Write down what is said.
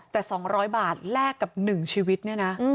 แต่๒๐๐บาทแลกกับ๑ชีวิตเนี่ยนะ